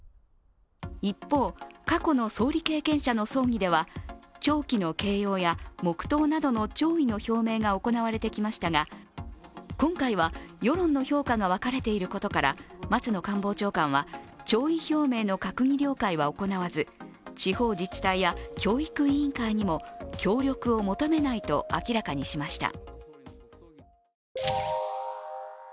一方、過去の総理経験者の葬儀では弔旗の掲揚や黙とうなどの弔意の表明が行われてきましたが今回は世論の評価が分かれていることから松野官房長官は、弔意表明の閣議了解は行わず地方自治体や教育委員会にも協力を求めないと明らかにしました。